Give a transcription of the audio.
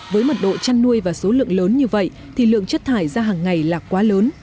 với mật độ chăn nuôi và số lượng lớn như vậy thì lượng chất thải ra hàng ngày là quá lớn